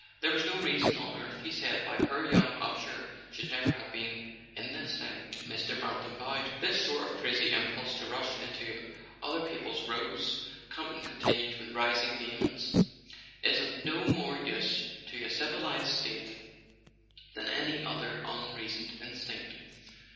"There was no reason on earth," he said, "why poor young Upsher should ever have been in this thing." Mr. Brant bowed. "This sort of crazy impulse to rush into other people's rows," Campton continued with rising vehemence, "is of no more use to a civilized state than any other un¬ reasoned instinct.